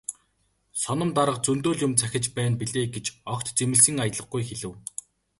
"Соном дарга зөндөө л юм захиж байна билээ" гэж огт зэмлэсэн аялгагүй хэлэв.